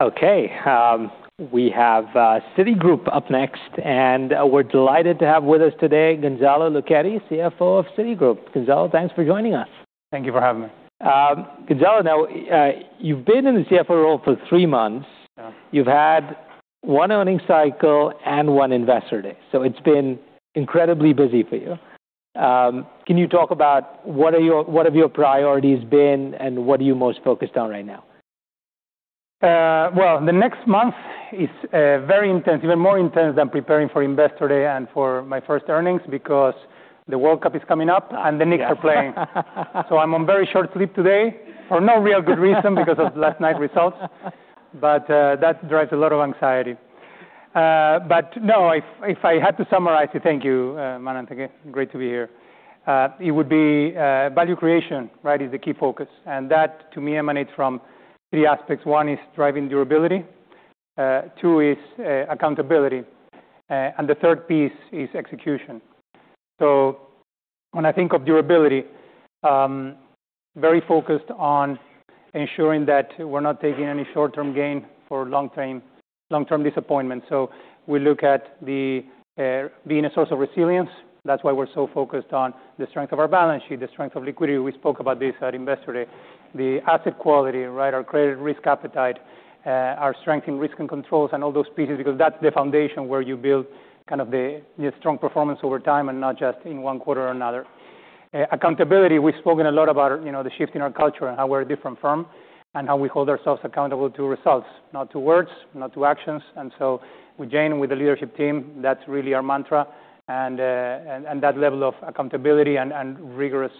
Okay. We have Citigroup up next, and we're delighted to have with us today Gonzalo Luchetti, CFO of Citigroup. Gonzalo, thanks for joining us. Thank you for having me. Gonzalo, now, you've been in the CFO role for three months. Yeah. You've had one earning cycle and one investor day, so it's been incredibly busy for you. Can you talk about what have your priorities been and what are you most focused on right now? The next month is very intense, even more intense than preparing for Investor Day and for my first earnings because the World Cup is coming up and the Knicks are playing. I'm on very short sleep today for no real good reason because of last night's results. That drives a lot of anxiety. No, if I had to summarize it. Thank you, Manan. Again, great to be here. It would be value creation, is the key focus, and that to me emanates from three aspects. One is driving durability, two is accountability, and the third piece is execution. When I think of durability, very focused on ensuring that we're not taking any short-term gain for long-term disappointment. We look at being a source of resilience. That's why we're so focused on the strength of our balance sheet, the strength of liquidity. We spoke about this at Investor Day. The asset quality, our credit risk appetite, our strength in risk and controls, and all those pieces, because that's the foundation where you build the strong performance over time and not just in one quarter or another. Accountability, we've spoken a lot about the shift in our culture and how we're a different firm, and how we hold ourselves accountable to results, not to words, not to actions. With Jane, with the leadership team, that's really our mantra. That level of accountability and rigorous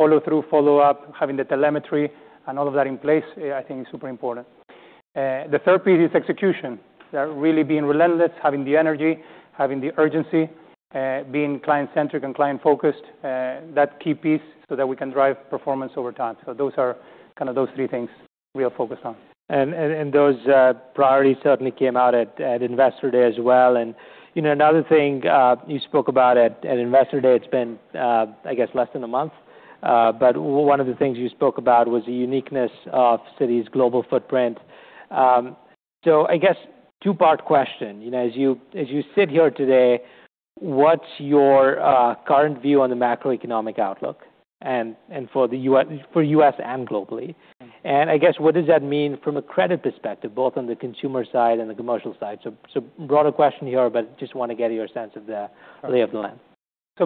follow-through, follow-up, having the telemetry, and all of that in place, I think is super important. The third piece is execution. Really being relentless, having the energy, having the urgency, being client-centric and client-focused, that key piece so that we can drive performance over time. Those are kind of those three things we are focused on. Those priorities certainly came out at Investor Day as well. Another thing you spoke about at Investor Day, it's been, I guess, less than a month, but one of the things you spoke about was the uniqueness of Citi's global footprint. I guess two-part question. As you sit here today, what's your current view on the macroeconomic outlook, and for U.S. and globally? I guess what does that mean from a credit perspective, both on the consumer side and the commercial side? Broader question here, but just want to get your sense of the lay of the land.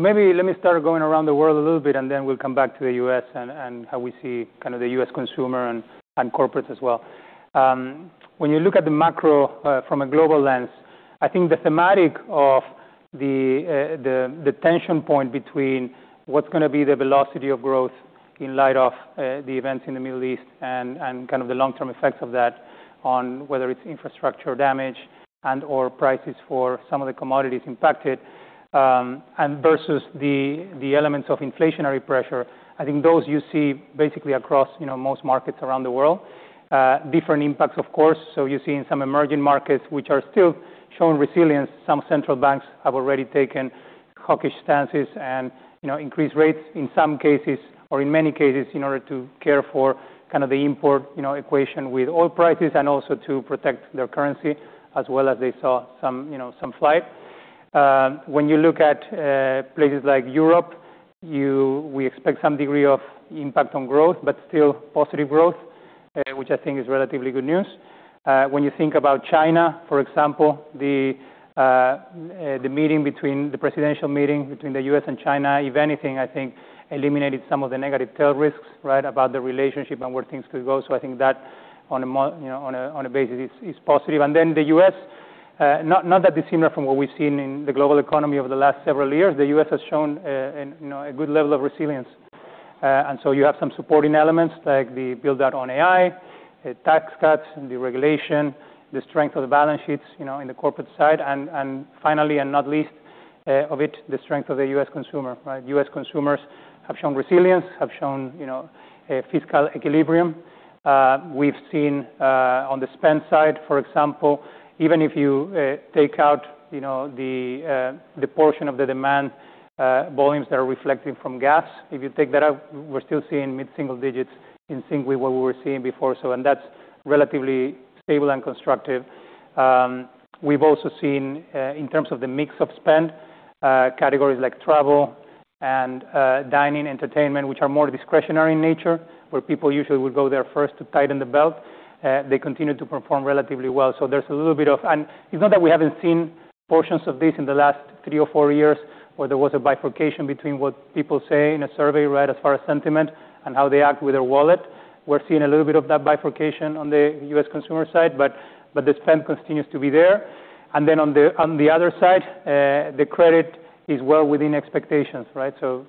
Maybe let me start going around the world a little bit, then we'll come back to the U.S. and how we see the U.S. consumer and corporates as well. When you look at the macro from a global lens, I think the thematic of the tension point between what's going to be the velocity of growth in light of the events in the Middle East and the long-term effects of that on whether it's infrastructure damage and/or prices for some of the commodities impacted, versus the elements of inflationary pressure, you see basically across most markets around the world, with different impacts, of course. You see in some emerging markets, which are still showing resilience, some central banks have already taken hawkish stances and increased rates in some cases, or in many cases, in order to care for the import equation with oil prices and also to protect their currency, as well as they saw some flight. When you look at places like Europe, we expect some degree of impact on growth, but still positive growth, which I think is relatively good news. When you think about China, for example, the presidential meeting between the U.S. and China, if anything, I think eliminated some of the negative tail risks about the relationship and where things could go. I think that on a basis is positive. Then the U.S., not that dissimilar from what we've seen in the global economy over the last several years. The U.S. has shown a good level of resilience. You have some supporting elements like the build out on AI, tax cuts, deregulation, the strength of the balance sheets in the corporate side. Finally, and not least of it, the strength of the U.S. consumer. U.S. consumers have shown resilience, have shown a fiscal equilibrium. We've seen on the spend side, for example, even if you take out the portion of the demand volumes that are reflecting from gas, if you take that out, we're still seeing mid-single digits in sync with what we were seeing before. That's relatively stable and constructive. We've also seen, in terms of the mix of spend, categories like travel and dining, entertainment, which are more discretionary in nature, where people usually would go there first to tighten the belt, they continue to perform relatively well. It's not that we haven't seen portions of this in the last three or four years where there was a bifurcation between what people say in a survey as far as sentiment and how they act with their wallet. We're seeing a little bit of that bifurcation on the U.S. consumer side, the spend continues to be there. Then on the other side, the credit is well within expectations.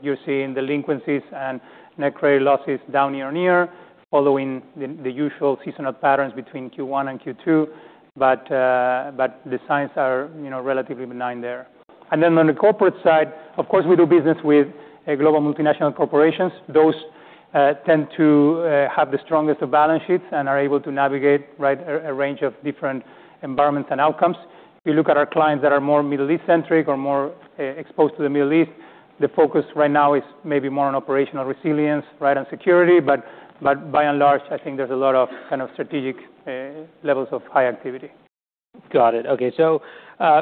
You're seeing delinquencies and net credit losses down year-over-year following the usual seasonal patterns between Q1 and Q2. The signs are relatively benign there. Then on the corporate side, of course, we do business with global multinational corporations. Those tend to have the strongest of balance sheets and are able to navigate a range of different environments and outcomes. If you look at our clients that are more Middle East-centric or more exposed to the Middle East. The focus right now is maybe more on operational resilience and security, by and large, I think there's a lot of strategic levels of high activity. Got it. Okay.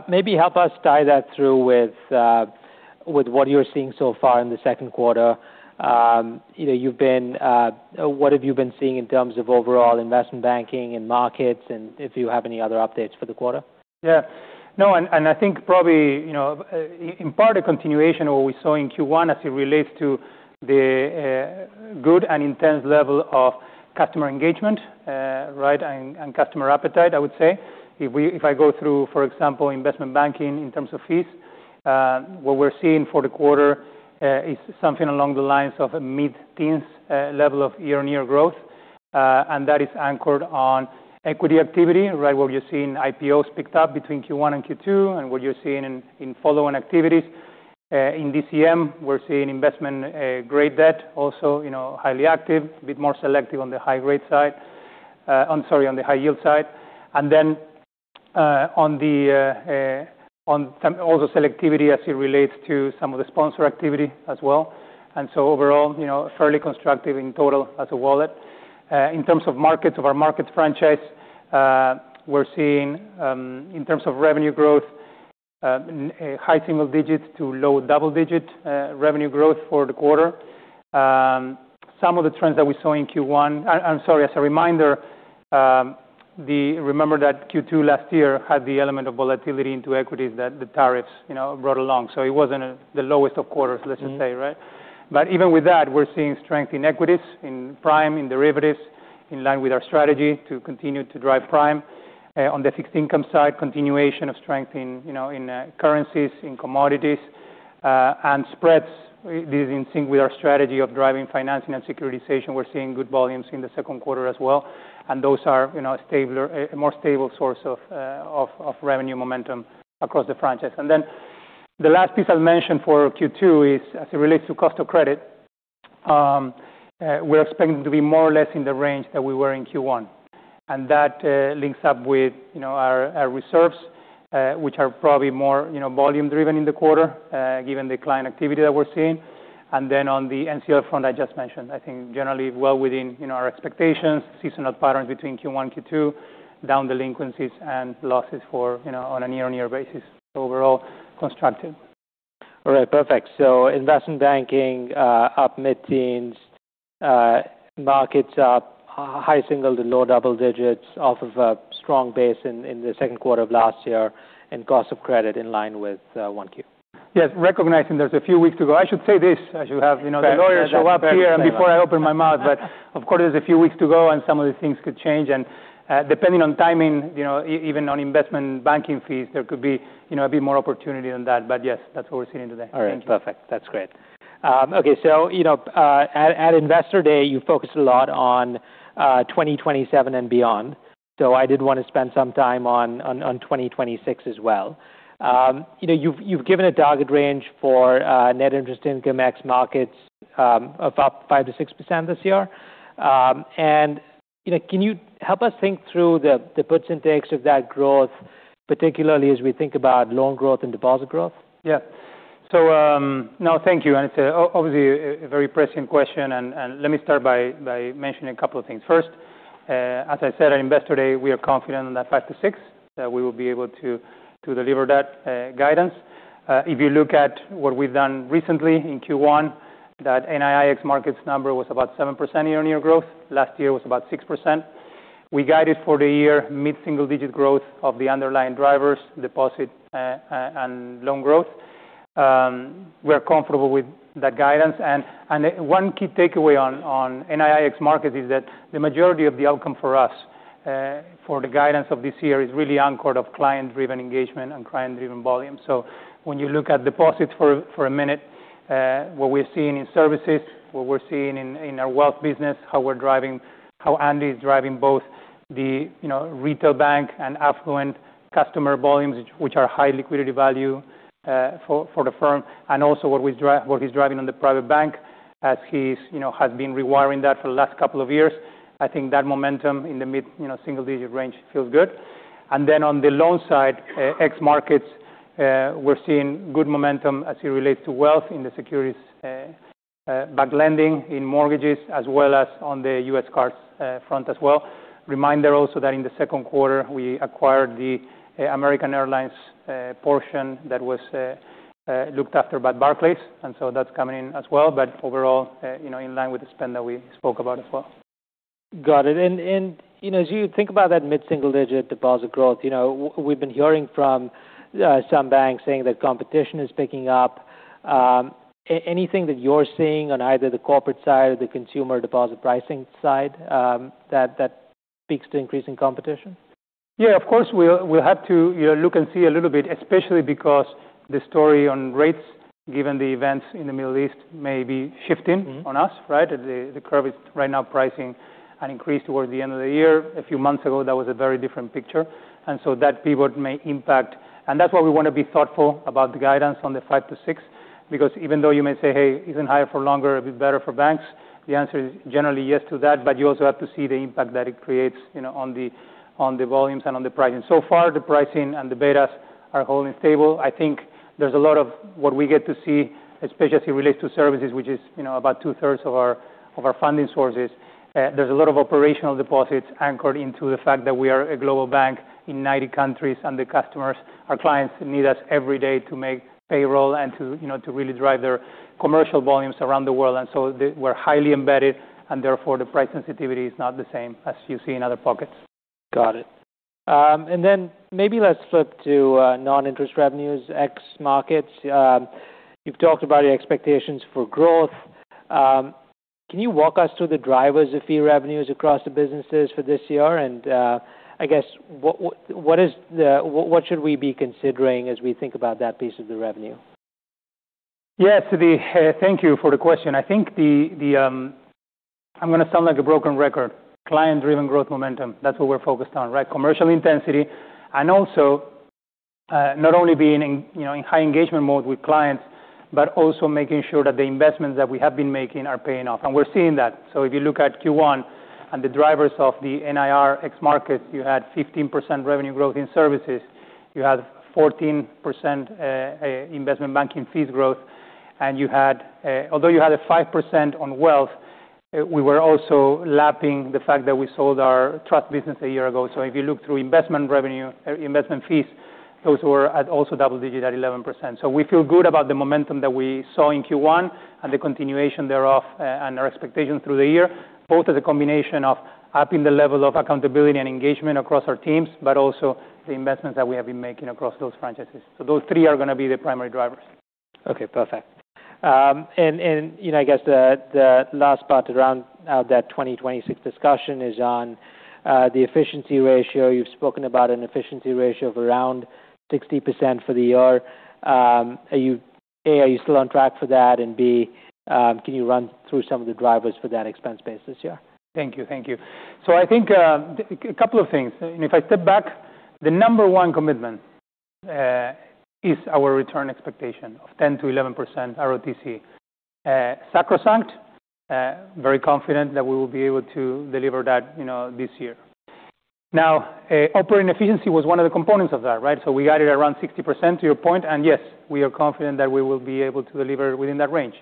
Maybe help us tie that through with what you're seeing so far in the second quarter. What have you been seeing in terms of overall investment banking and markets, and if you have any other updates for the quarter? Yeah. No, I think probably, in part, a continuation of what we saw in Q1 as it relates to the good and intense level of customer engagement and customer appetite, I would say. If I go through, for example, investment banking in terms of fees, what we're seeing for the quarter is something along the lines of a mid-teens level of year-on-year growth, that is anchored on equity activity. What you're seeing, IPOs picked up between Q1 and Q2, what you're seeing in follow-on activities. In DCM, we're seeing investment-grade debt also highly active, a bit more selective on the high yield side. Then on all the selectivity as it relates to some of the sponsor activity as well. Overall, fairly constructive in total as a wallet. In terms of our markets franchise, we're seeing, in terms of revenue growth, high single digits to low double-digit revenue growth for the quarter. Some of the trends that we saw in Q1. As a reminder, remember that Q2 last year had the element of volatility into equities that the tariffs brought along. It wasn't the lowest of quarters, let's just say. Even with that, we're seeing strength in equities, in prime, in derivatives, in line with our strategy to continue to drive prime. On the fixed income side, continuation of strength in currencies, in commodities, and spreads is in sync with our strategy of driving financing and securitization. We're seeing good volumes in the second quarter as well, those are a more stable source of revenue momentum across the franchise. The last piece I'll mention for Q2 is as it relates to cost of credit, we're expecting to be more or less in the range that we were in Q1. That links up with our reserves, which are probably more volume-driven in the quarter, given the client activity that we're seeing. On the NCL front I just mentioned, I think generally well within our expectations, seasonal patterns between Q1 and Q2, down delinquencies and losses on a year-on-year basis. Overall, constructive. All right, perfect. Investment banking up mid-teens, markets up high single to low double digits off of a strong base in the second quarter of last year, and cost of credit in line with 1Q. Yes. Recognizing there's a few weeks to go. I should say this. I should have the lawyers show up here before I open my mouth. Of course, there's a few weeks to go and some of the things could change, and depending on timing, even on investment banking fees, there could be a bit more opportunity than that. Yes, that's what we're seeing today. Thank you. All right. Perfect. That's great. Okay. At Investor Day, you focused a lot on 2027 and beyond, I did want to spend some time on 2026 as well. You've given a target range for net interest income ex markets of up 5%-6% this year. Can you help us think through the puts and takes of that growth, particularly as we think about loan growth and deposit growth? Yeah. No, thank you, and it is obviously, a very prescient question. Let me start by mentioning a couple of things. First, as I said at Investor Day, we are confident on that 5%-6% that we will be able to deliver that guidance. If you look at what we've done recently in Q1, that NII ex markets number was about 7% year-on-year growth. Last year was about 6%. We guided for the year mid-single digit growth of the underlying drivers, deposit and loan growth. We are comfortable with that guidance. One key takeaway on NII ex markets is that the majority of the outcome for us, for the guidance of this year, is really anchored of client-driven engagement and client-driven volume. When you look at deposits for a minute, what we're seeing in services, what we're seeing in our wealth business, how Andy is driving both the retail bank and affluent customer volumes, which are high liquidity value for the firm, also what he's driving on the private bank as he has been rewiring that for the last couple of years. I think that momentum in the mid-single digit range feels good. On the loan side, ex markets, we're seeing good momentum as it relates to wealth in the securities backed lending, in mortgages, as well as on the U.S. cards front as well. Reminder also that in the second quarter, we acquired the American Airlines portion that was looked after by Barclays. That's coming in as well. Overall, in line with the spend that we spoke about as well. Got it. As you think about that mid-single digit deposit growth, we've been hearing from some banks saying that competition is picking up. Anything that you're seeing on either the corporate side or the consumer deposit pricing side that speaks to increasing competition? Yeah, of course, we'll have to look and see a little bit, especially because the story on rates, given the events in the Middle East, may be shifting on us. The curve is right now pricing an increase towards the end of the year. A few months ago, that was a very different picture. That pivot may impact. That's why we want to be thoughtful about the guidance on the 5%-6%, because even though you may say, hey, isn't higher for longer a bit better for banks? The answer is generally yes to that. You also have to see the impact that it creates on the volumes and on the pricing. So far, the pricing and the betas are holding stable. There's a lot of what we get to see, especially as it relates to services, which is about two-thirds of our funding sources. There's a lot of operational deposits anchored into the fact that we are a global bank in 90 countries, and the customers, our clients need us every day to make payroll and to really drive their commercial volumes around the world. We're highly embedded, and therefore, the price sensitivity is not the same as you see in other pockets. Got it. Maybe let's flip to non-interest revenues, X markets. You've talked about your expectations for growth. Can you walk us through the drivers of fee revenues across the businesses for this year? I guess, what should we be considering as we think about that piece of the revenue? Yes. Thank you for the question. I think I'm going to sound like a broken record. Client-driven growth momentum, that's what we're focused on, right? Commercial intensity, and also not only being in high engagement mode with clients, but also making sure that the investments that we have been making are paying off. We're seeing that. If you look at Q1 and the drivers of the NIR ex markets, you had 15% revenue growth in services, you had 14% investment banking fees growth, and although you had a 5% on wealth, we were also lapping the fact that we sold our trust business a year ago. If you look through investment revenue, investment fees, those were at also double digits at 11%. We feel good about the momentum that we saw in Q1 and the continuation thereof and our expectations through the year, both as a combination of upping the level of accountability and engagement across our teams, but also the investments that we have been making across those franchises. Those three are going to be the primary drivers. The last part around that 2026 discussion is on the efficiency ratio. You've spoken about an efficiency ratio of around 60% for the year. A, are you still on track for that? B, can you run through some of the drivers for that expense base this year? Thank you. I think a couple of things. If I step back, the number one commitment is our return expectation of 10%-11% ROTCE. Sacrosanct, very confident that we will be able to deliver that this year. Operating efficiency was one of the components of that. We guided around 60%, to your point, and yes, we are confident that we will be able to deliver within that range.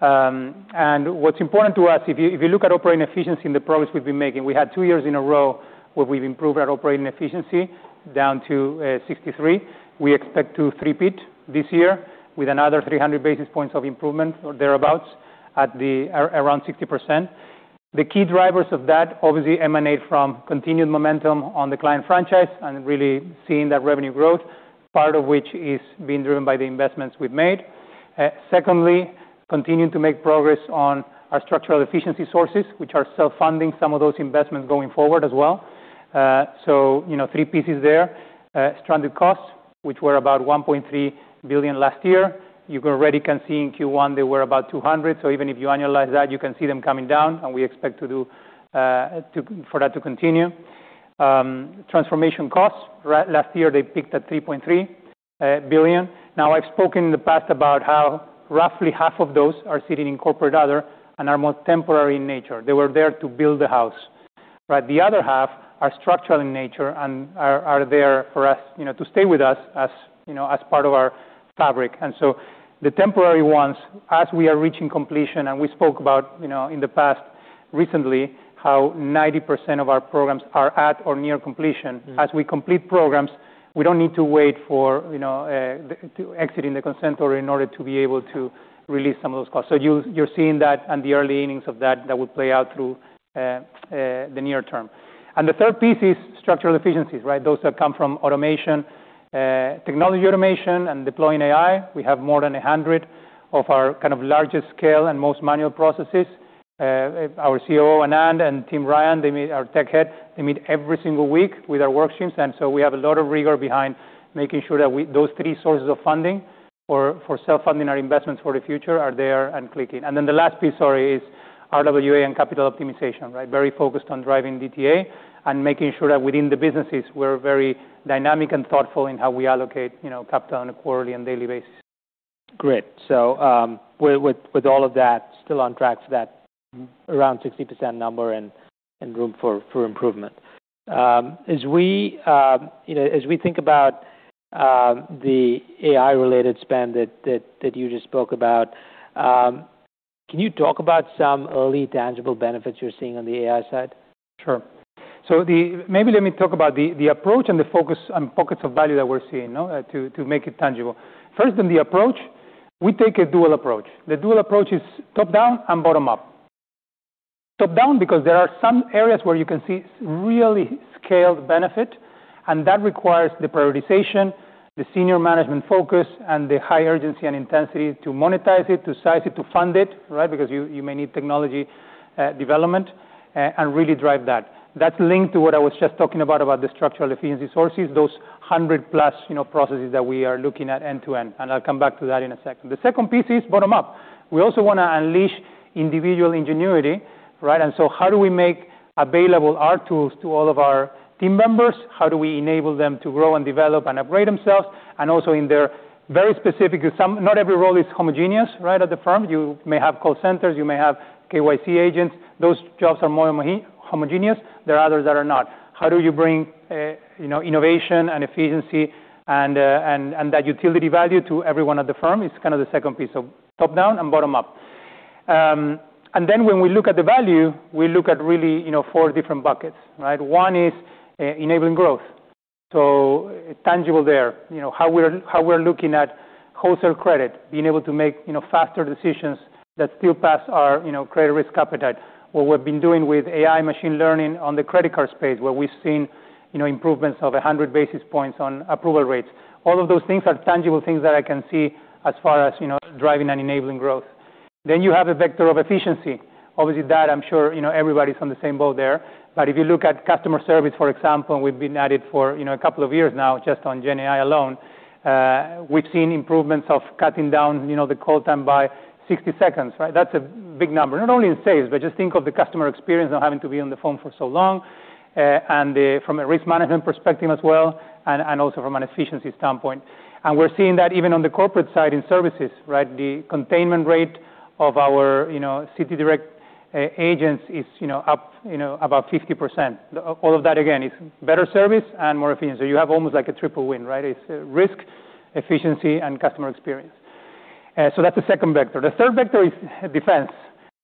What's important to us, if you look at operating efficiency and the progress we've been making, we had two years in a row where we've improved our operating efficiency down to 63%. We expect to repeat this year with another 300 basis points of improvement or thereabouts at around 60%. The key drivers of that obviously emanate from continued momentum on the client franchise and really seeing that revenue growth, part of which is being driven by the investments we've made. Secondly, continuing to make progress on our structural efficiency sources, which are self-funding some of those investments going forward as well. Three pieces there. Stranded costs, which were about $1.3 billion last year. You already can see in Q1 they were about $200. Even if you annualize that, you can see them coming down, and we expect for that to continue. Transformation costs, last year, they peaked at $3.3 billion. I've spoken in the past about how roughly half of those are sitting in corporate other and are more temporary in nature. They were there to build the house. The other half are structural in nature and are there for us to stay with us as part of our fabric. The temporary ones, as we are reaching completion, and we spoke about in the past recently, how 90% of our programs are at or near completion. As we complete programs, we don't need to wait for exiting the consent order in order to be able to release some of those costs. You're seeing that and the early innings of that that will play out through the near term. The third piece is structural efficiencies. Those that come from automation, technology automation, and deploying AI. We have more than 100 of our kind of largest scale and most manual processes. Our COO, Anand, and Tim Ryan, our tech head, they meet every single week with our work streams. We have a lot of rigor behind making sure that those three sources of funding for self-funding our investments for the future are there and clicking. The last piece, sorry, is RWA and capital optimization. Very focused on driving DTA and making sure that within the businesses, we're very dynamic and thoughtful in how we allocate capital on a quarterly and daily basis. Great. With all of that still on track for that around 60% number and room for improvement. As we think about the AI-related spend that you just spoke about, can you talk about some early tangible benefits you're seeing on the AI side? Sure. Maybe let me talk about the approach and the focus and pockets of value that we're seeing to make it tangible. First, in the approach, we take a dual approach. The dual approach is top-down and bottom-up. Top-down, because there are some areas where you can see really scaled benefit, and that requires the prioritization, the senior management focus, and the high urgency and intensity to monetize it, to size it, to fund it because you may need technology development, and really drive that. That's linked to what I was just talking about the structural efficiency sources, those 100-plus processes that we are looking at end to end, and I'll come back to that in a second. The second piece is bottom-up. We also want to unleash individual ingenuity, how do we make available our tools to all of our team members? How do we enable them to grow and develop and upgrade themselves? And also in their very specific Because not every role is homogeneous at the firm. You may have call centers, you may have KYC agents. Those jobs are more homogeneous. There are others that are not. How do you bring innovation and efficiency and that utility value to everyone at the firm? It's kind of the second piece. Top-down and bottom-up. When we look at the value, we look at really four different buckets. One is enabling growth. So tangible there. How we're looking at wholesale credit, being able to make faster decisions that still pass our credit risk appetite. What we've been doing with AI machine learning on the credit card space, where we've seen improvements of 100 basis points on approval rates. All of those things are tangible things that I can see as far as driving and enabling growth. You have a vector of efficiency. Obviously, that I'm sure everybody's on the same boat there. If you look at customer service, for example, we've been at it for a couple of years now just on GenAI alone. We've seen improvements of cutting down the call time by 60 seconds. That's a big number, not only in sales, but just think of the customer experience, not having to be on the phone for so long, and from a risk management perspective as well, and also from an efficiency standpoint. We're seeing that even on the corporate side in services. The containment rate of our CitiDirect agents is up about 50%. All of that, again, is better service and more efficiency. You have almost like a triple win. It's risk, efficiency, and customer experience. That's the second vector. The third vector is defense.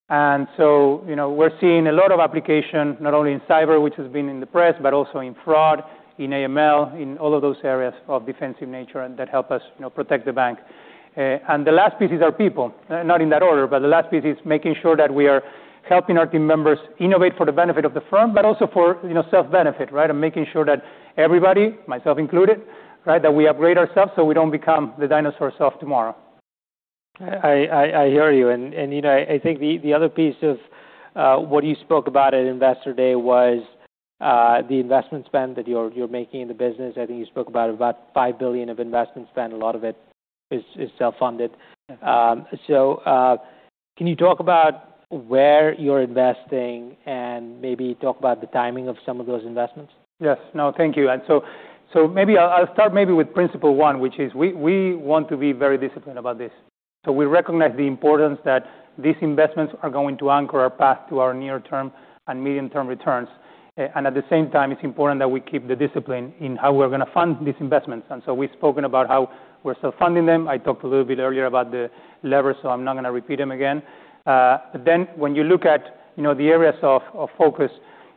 We're seeing a lot of application, not only in cyber, which has been in the press, but also in fraud, in AML, in all of those areas of defensive nature, and that help us protect the bank. The last piece is our people. Not in that order, but the last piece is making sure that we are helping our team members innovate for the benefit of the firm, but also for self-benefit. Making sure that everybody, myself included, that we upgrade ourselves so we don't become the dinosaurs of tomorrow. I hear you. I think the other piece of what you spoke about at Investor Day was the investment spend that you're making in the business. I think you spoke about $5 billion of investment spend. A lot of it is self-funded. Can you talk about where you're investing and maybe talk about the timing of some of those investments? Yes. No, thank you. Maybe I'll start maybe with principle one, which is we want to be very disciplined about this. We recognize the importance that these investments are going to anchor our path to our near-term and medium-term returns. At the same time, it's important that we keep the discipline in how we're going to fund these investments. We've spoken about how we're self-funding them. I talked a little bit earlier about the levers, I'm not going to repeat them again. When you look at the areas of focus,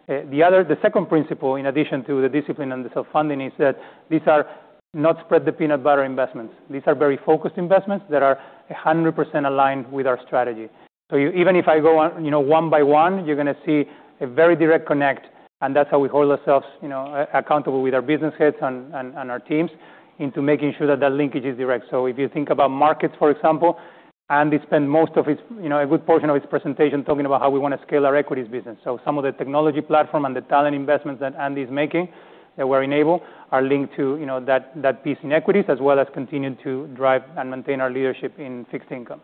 the second principle, in addition to the discipline and the self-funding, is that these are not spread-the-peanut-butter investments. These are very focused investments that are 100% aligned with our strategy. Even if I go one by one, you're going to see a very direct connect, and that's how we hold ourselves accountable with our business heads and our teams into making sure that that linkage is direct. If you think about markets, for example, Andy spent a good portion of his presentation talking about how we want to scale our equities business. Some of the technology platform and the talent investments that Andy's making, that we're enable, are linked to that piece in equities, as well as continuing to drive and maintain our leadership in fixed income.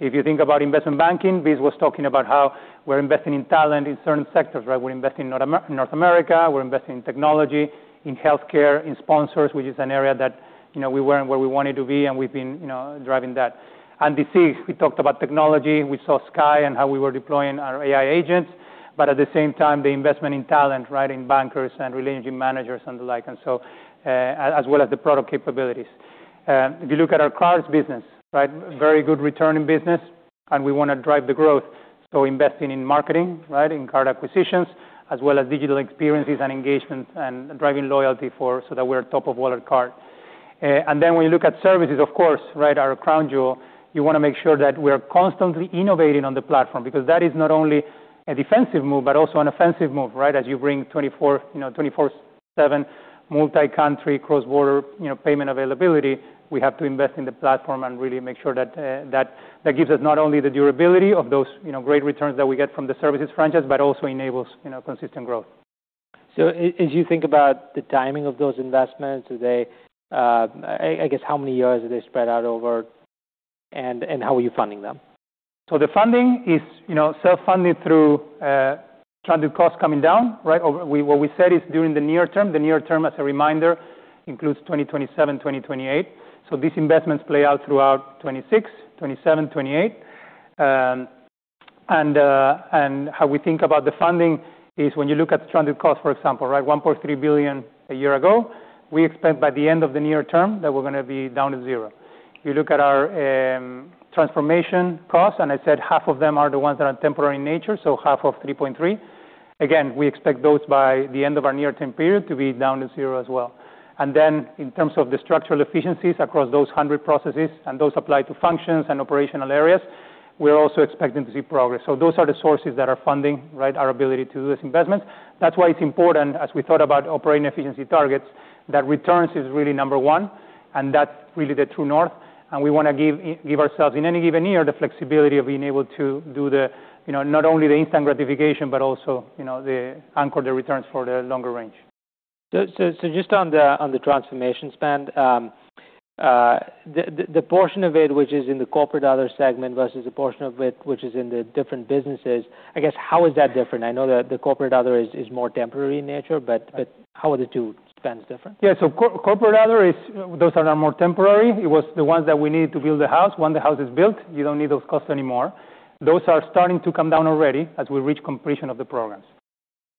If you think about investment banking, Vis was talking about how we're investing in talent in certain sectors. We're investing in North America, we're investing in technology, in healthcare, in sponsors, which is an area that we weren't where we wanted to be, and we've been driving that. [This year], we talked about technology. We saw Sky and how we were deploying our AI agents. At the same time, the investment in talent, in bankers and relationship managers and the like, as well as the product capabilities. If you look at our cards business, very good return in business, and we want to drive the growth. Investing in marketing, in card acquisitions, as well as digital experiences and engagement, and driving loyalty so that we're a top-of-wallet card. When you look at services, of course, our crown jewel, you want to make sure that we are constantly innovating on the platform because that is not only a defensive move, but also an offensive move. As you bring 24/7 multi-country cross-border payment availability, we have to invest in the platform and really make sure that that gives us not only the durability of those great returns that we get from the services franchise, but also enables consistent growth. As you think about the timing of those investments, I guess, how many years are they spread out over, and how are you funding them? The funding is self-funded through stranded costs coming down. What we said is during the near term, the near term, as a reminder, includes 2027, 2028. These investments play out throughout 2026, 2027, 2028. How we think about the funding is when you look at stranded costs, for example, $1.3 billion a year ago. We expect by the end of the near term that we're going to be down to zero. You look at our transformation costs, and I said half of them are the ones that are temporary in nature, so half of $3.3 billion. Again, we expect those by the end of our near-term period to be down to zero as well. In terms of the structural efficiencies across those 100 processes, and those apply to functions and operational areas, we're also expecting to see progress. Those are the sources that are funding our ability to do these investments. That's why it's important, as we thought about operating efficiency targets, that returns is really number one, and that's really the true north. We want to give ourselves, in any given year, the flexibility of being able to do not only the instant gratification, but also anchor the returns for the longer range. Just on the transformation spend, the portion of it which is in the corporate other segment versus the portion of it which is in the different businesses, I guess, how is that different? I know that the corporate other is more temporary in nature, but how are the two spends different? Yeah. Corporate other, those are now more temporary. It was the ones that we needed to build the house. When the house is built, you don't need those costs anymore. Those are starting to come down already as we reach completion of the programs.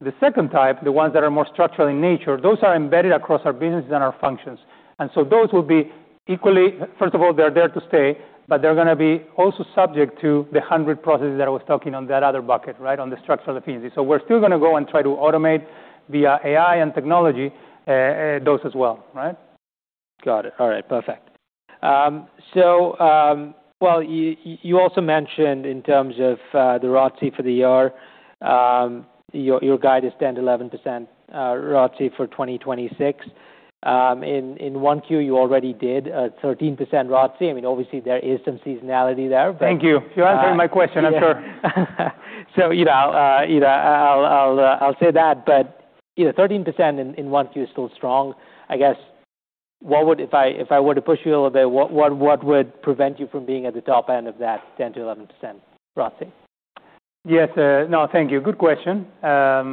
The second type, the ones that are more structural in nature, those are embedded across our businesses and our functions. Those will be equally, first of all, they're there to stay, but they're going to be also subject to the 100 processes that I was talking on that other bucket, on the structural efficiencies. We're still going to go and try to automate via AI and technology those as well. Got it. All right, perfect. You also mentioned in terms of the ROTCE for the year, your guide is 10%-11% ROTCE for 2026. In 1Q, you already did 13% ROTCE. Obviously, there is some seasonality there, but- Thank you. You're answering my question, I'm sure. I'll say that, but 13% in 1Q is still strong. If I were to push you a little bit, what would prevent you from being at the top end of that 10%-11% ROTCE? Yes. No, thank you. Good question. As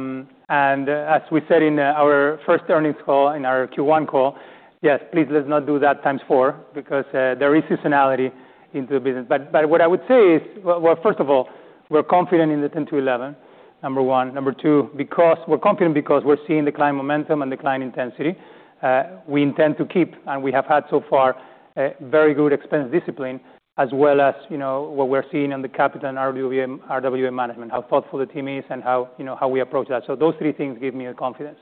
we said in our first earnings call, in our Q1 call, yes, please let's not do that times four because there is seasonality in the business. What I would say is, well, first of all, we're confident in the 10%-11%, number one. Number two, we're confident because we're seeing decline momentum and decline intensity. We intend to keep, and we have had so far, a very good expense discipline as well as what we're seeing in the capital and RWA management, how thoughtful the team is and how we approach that. Those three things give me the confidence.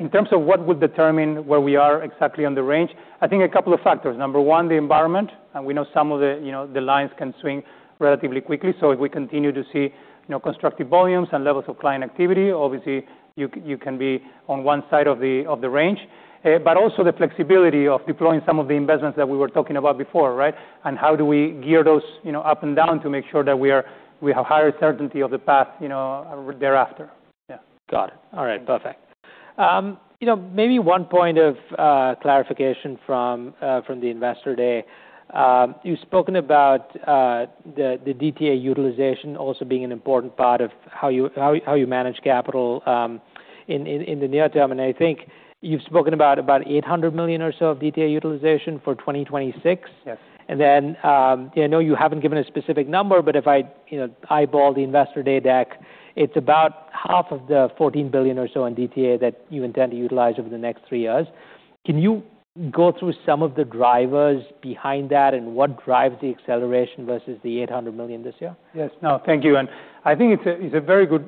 In terms of what would determine where we are exactly on the range, I think a couple of factors. Number one, the environment, we know some of the lines can swing relatively quickly. If we continue to see constructive volumes and levels of client activity, obviously, you can be on one side of the range. Also the flexibility of deploying some of the investments that we were talking about before, right? How do we gear those up and down to make sure that we have higher certainty of the path thereafter. Yeah. Got it. All right, perfect. Maybe one point of clarification from the Investor Day. You've spoken about the DTA utilization also being an important part of how you manage capital in the near term. I think you've spoken about $800 million or so of DTA utilization for 2026. Yes. Then, I know you haven't given a specific number, but if I eyeball the Investor Day deck, it's about half of the $14 billion or so in DTA that you intend to utilize over the next three years. Can you go through some of the drivers behind that and what drives the acceleration versus the $800 million this year? Yes. No, thank you. I think it's a very good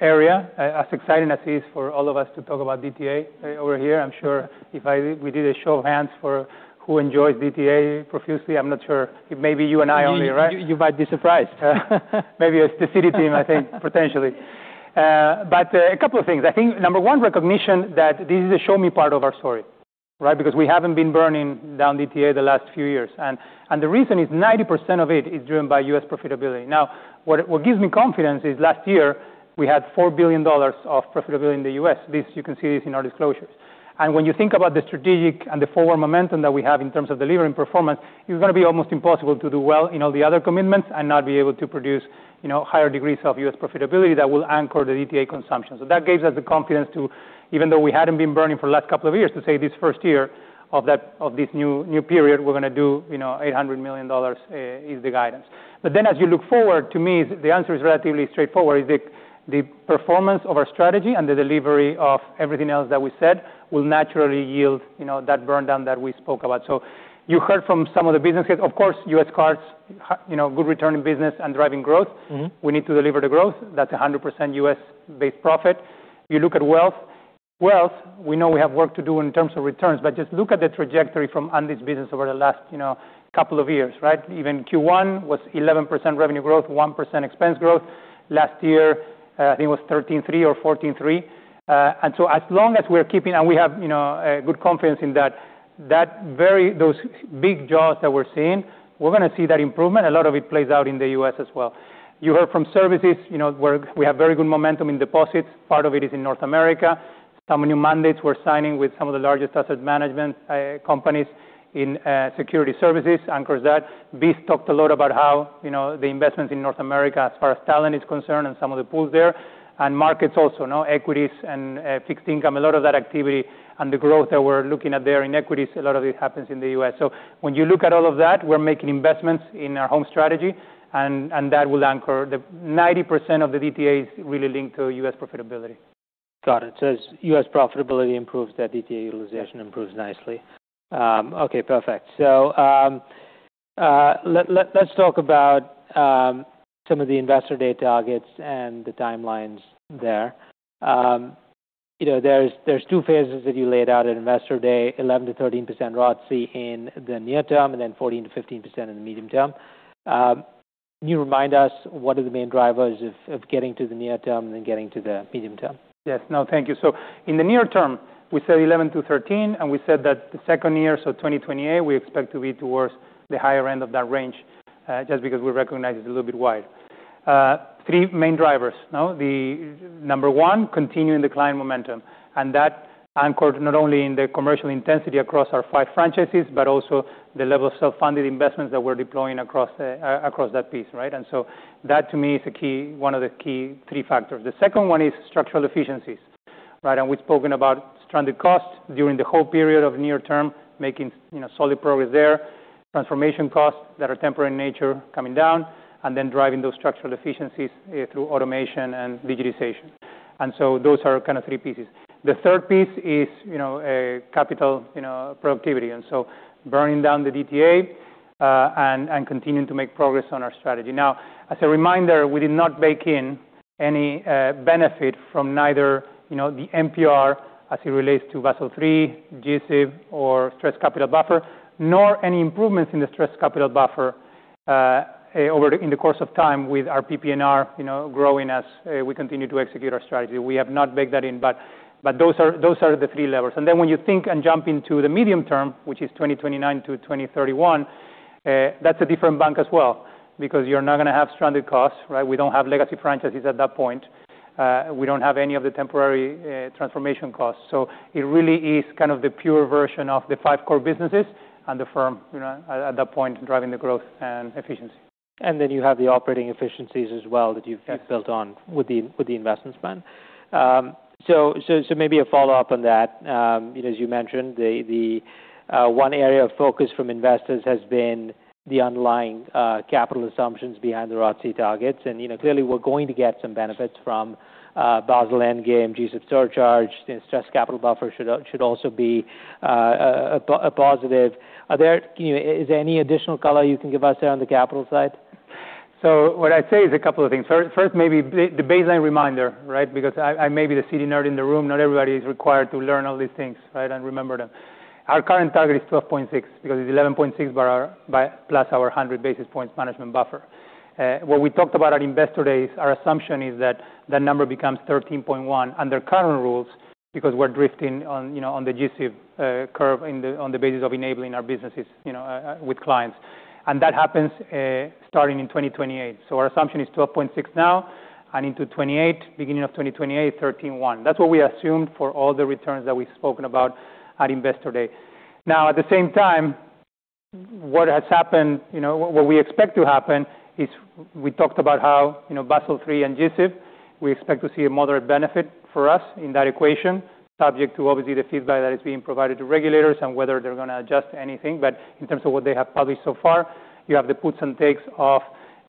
area, as exciting as it is for all of us to talk about DTA over here. I'm sure if we did a show of hands for who enjoys DTA profusely, I'm not sure. It may be you and I only, right? You might be surprised. Maybe it's the Citi team, I think, potentially. A couple of things. Number one, recognition that this is a show me part of our story, right? Because we haven't been burning down DTA the last few years. The reason is 90% of it is driven by U.S. profitability. What gives me confidence is last year, we had $4 billion of profitability in the U.S. You can see this in our disclosures. When you think about the strategic and the forward momentum that we have in terms of delivering performance, it's going to be almost impossible to do well in all the other commitments and not be able to produce higher degrees of U.S. profitability that will anchor the DTA consumption. That gives us the confidence to, even though we hadn't been burning for the last couple of years, to say this first year of this new period we're going to do $800 million, is the guidance. As you look forward, to me, the answer is relatively straightforward, is the performance of our strategy and the delivery of everything else that we said will naturally yield that burndown that we spoke about. You heard from some of the businesses, of course, U.S. cards, good return in business and driving growth. We need to deliver the growth. That's 100% U.S.-based profit. You look at wealth. Wealth, we know we have work to do in terms of returns, but just look at the trajectory from Andy's business over the last couple of years, right? Even Q1 was 11% revenue growth, 1% expense growth. Last year, I think it was 13.3% or 14.3%. As long as we're keeping, and we have good confidence in those big jaws that we're seeing, we're going to see that improvement. A lot of it plays out in the U.S. as well. You heard from services, we have very good momentum in deposits. Part of it is in North America. Some new mandates we're signing with some of the largest asset management companies in security services anchors that. Vis talked a lot about how the investments in North America, as far as talent is concerned, and some of the pools there, and markets also. Equities and fixed income, a lot of that activity and the growth that we're looking at there in equities, a lot of it happens in the U.S. When you look at all of that, we're making investments in our home strategy, and that will anchor. 90% of the DTA is really linked to U.S. profitability. Got it. As U.S. profitability improves, that DTA utilization improves nicely. Okay, perfect. Let's talk about some of the Investor Day targets and the timelines there. There's two phases that you laid out at Investor Day, 11%-13% ROTCE in the near term, and then 14%-15% in the medium term. Can you remind us what are the main drivers of getting to the near term, then getting to the medium term? Yes. No, thank you. In the near term, we said 11%-13%, and we said that the second year, 2028, we expect to be towards the higher end of that range, just because we recognize it's a little bit wide. Three main drivers. Number one, continuing decline momentum. That anchors not only in the commercial intensity across our five franchises, but also the level of self-funded investments that we're deploying across that piece, right? That to me is one of the key three factors. The second one is structural efficiencies, right? We've spoken about stranded costs during the whole period of near term, making solid progress there. Transformation costs that are temporary in nature coming down, and then driving those structural efficiencies through automation and digitization. Those are kind of three pieces. The third piece is capital productivity, burning down the DTA and continuing to make progress on our strategy. Now, as a reminder, we did not bake in any benefit from neither the NPR as it relates to Basel III, G-SIB or stress capital buffer, nor any improvements in the stress capital buffer over in the course of time with our PPNR growing as we continue to execute our strategy. We have not baked that in, but those are the three levers. When you think and jump into the medium term, which is 2029 to 2031, that's a different bank as well, because you're not going to have stranded costs, right? We don't have legacy franchises at that point. We don't have any of the temporary transformation costs. It really is kind of the pure version of the five core businesses and the firm at that point, driving the growth and efficiency. You have the operating efficiencies as well that you've built on with the investment plan. Maybe a follow-up on that. You mentioned, the one area of focus from investors has been the underlying capital assumptions behind the ROTCE targets. Clearly we're going to get some benefits from Basel Endgame, G-SIB surcharge, and stress capital buffer should also be a positive. Is there any additional color you can give us there on the capital side? What I'd say is a couple of things. First, maybe the baseline reminder, right? Because I may be the Citi nerd in the room. Not everybody is required to learn all these things and remember them. Our current target is 12.6% because it's 11.6% plus our 100 basis points management buffer. What we talked about at Investor Day is our assumption is that that number becomes 13.1% under current rules, because we're drifting on the G-SIB curve on the basis of enabling our businesses with clients. That happens starting in 2028. Our assumption is 12.6% now, and into 2028, beginning of 2028, 13.1%. That's what we assumed for all the returns that we've spoken about at Investor Day. At the same time, what we expect to happen is we talked about how Basel III and G-SIB, we expect to see a moderate benefit for us in that equation, subject to obviously the feedback that is being provided to regulators and whether they're going to adjust anything. In terms of what they have published so far, you have the puts and takes of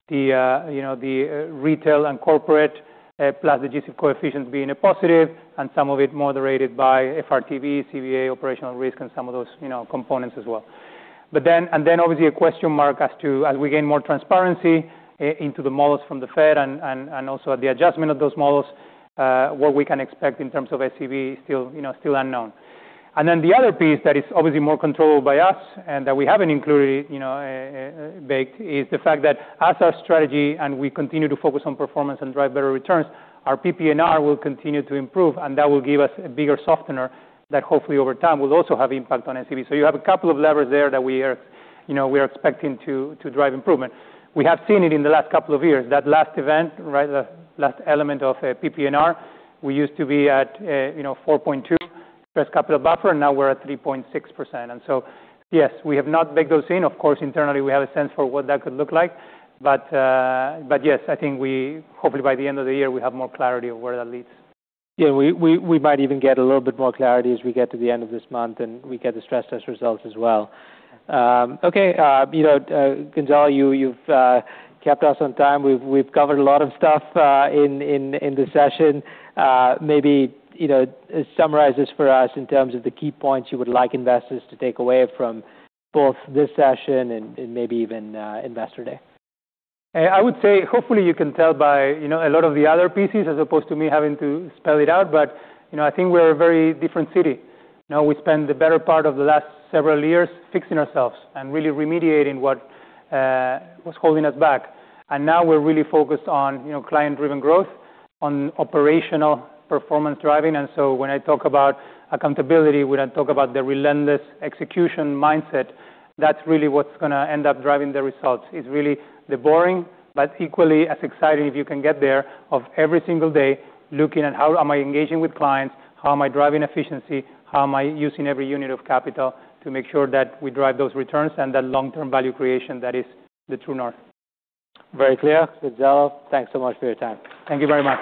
the retail and corporate, plus the G-SIB coefficients being a positive and some of it moderated by FRTB, CVA, operational risk, and some of those components as well. Obviously a question mark as to, as we gain more transparency into the models from the Fed and also the adjustment of those models, what we can expect in terms of SCB is still unknown. The other piece that is obviously more controllable by us and that we haven't included, baked, is the fact that as our strategy and we continue to focus on performance and drive better returns, our PPNR will continue to improve, and that will give us a bigger softener that hopefully over time will also have impact on SCB. You have a couple of levers there that we are expecting to drive improvement. We have seen it in the last couple of years. That last event, the last element of PPNR, we used to be at 4.2% stress capital buffer, and now we're at 3.6%. Yes, we have not baked those in. Of course, internally we have a sense for what that could look like. Yes, I think we hopefully by the end of the year, we have more clarity of where that leads. We might even get a little bit more clarity as we get to the end of this month and we get the stress test results as well. Okay, Gonzalo, you've kept us on time. We've covered a lot of stuff in this session. Maybe summarize this for us in terms of the key points you would like investors to take away from both this session and maybe even Investor Day. I would say hopefully you can tell by a lot of the other pieces as opposed to me having to spell it out. I think we're a very different Citi. We spent the better part of the last several years fixing ourselves and really remediating what was holding us back. Now we're really focused on client-driven growth, on operational performance driving. When I talk about accountability, when I talk about the relentless execution mindset, that's really what's going to end up driving the results. It's really the boring, but equally as exciting if you can get there, of every single day looking at how am I engaging with clients, how am I driving efficiency, how am I using every unit of capital to make sure that we drive those returns and that long-term value creation that is the true north. Very clear. Gonzalo, thanks so much for your time. Thank you very much.